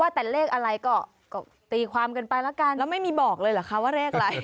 แต่เลขอะไรก็ตีความกันไปแล้วกันแล้วไม่มีบอกเลยเหรอคะว่าเลขอะไร